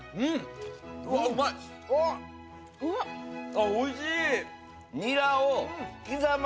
あおいしい！